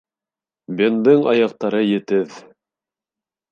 Бендың аяҡтары етеҙ.